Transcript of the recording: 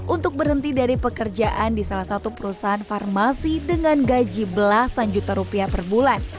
untuk berhenti dari pekerjaan di salah satu perusahaan farmasi dengan gaji belasan juta rupiah per bulan